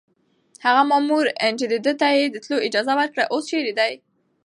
هغه مامور چې ده ته يې د تلو اجازه ورکړه اوس چېرته دی؟